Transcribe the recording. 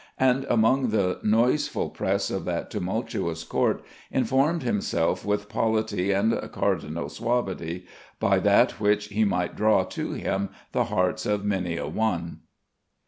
and, among the noiseful press of that tumultuous court, informed himself with polity and cardinal suavity, by that which he might draw to him the hearts of many a one."